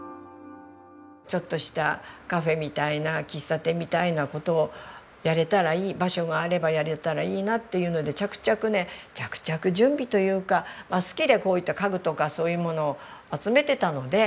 ちょっとしたカフェみたいな喫茶店みたいな事をやれたらいい場所があればやれたらいいなっていうので着々ね着々準備というかまあ好きでこういった家具とかそういうものを集めてたので。